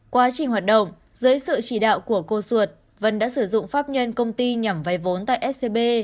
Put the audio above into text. quá trình hoạt động dưới sự chỉ đạo của cô ruột vân đã sử dụng pháp nhân công ty nhằm vay vốn tại scb